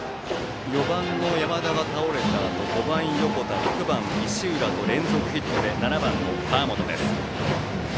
４番の山田が倒れたあと５番の横田６番、石浦と連続ヒットでバッターは７番の川元です。